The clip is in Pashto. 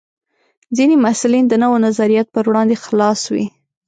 ځینې محصلین د نوو نظریاتو پر وړاندې خلاص وي.